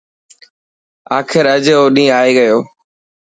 آخر اڄ او ڏينهن آي گيو.